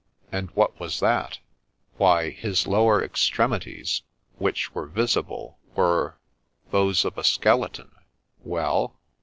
' And what was that ?' 12 ' Why, his lower extremities, which were visible, were — those of a skeleton. ' Well.'